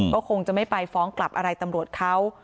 ก็คงจะไม่ไปฟ้องกลับอะไรตำรวจเขา